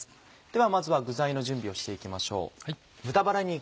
ではまずは具材の準備をして行きましょう。